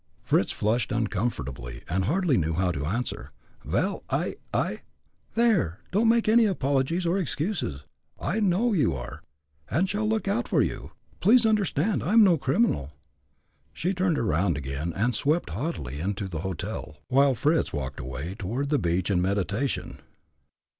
Fritz flushed uncomfortably, and hardly knew how to answer. "Vel, I I " "There! don't make any apologies or excuses; I know you are, and shall look out for you. Please understand I am no criminal!" Then she turned around again, and swept haughtily into the hotel, while Fritz walked away toward the beach in meditation.